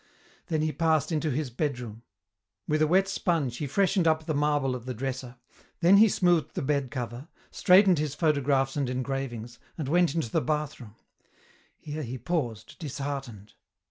Then he passed into his bedroom. With a wet sponge he freshened up the marble of the dresser, then he smoothed the bed cover, straightened his photographs and engravings, and went into the bathroom. Here he paused, disheartened.